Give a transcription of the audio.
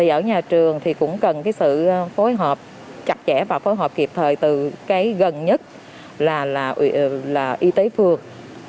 ở nhà trường cũng cần sự phối hợp chặt chẽ và phối hợp kịp thời từ gần nhất là y tế phường